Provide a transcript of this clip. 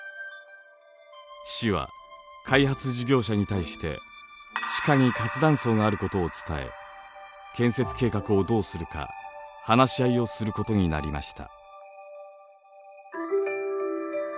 市は開発事業者に対して地下に活断層があることを伝え建設計画をどうするか話し合いをすることになりました。